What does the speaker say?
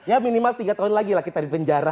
ya minimal tiga tahun lagi lah kita di penjara